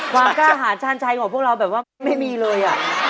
ความกล้าหารชาญชัยของพวกเราแบบว่าไม่มีเลย